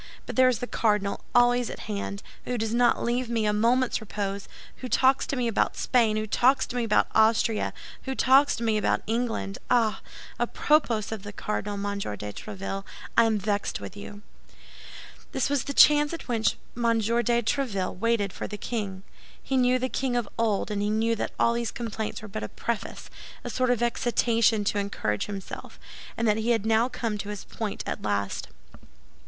But there is the cardinal always at hand, who does not leave me a moment's repose; who talks to me about Spain, who talks to me about Austria, who talks to me about England! Ah! à propos of the cardinal, Monsieur de Tréville, I am vexed with you!" This was the chance at which M. de Tréville waited for the king. He knew the king of old, and he knew that all these complaints were but a preface—a sort of excitation to encourage himself—and that he had now come to his point at last.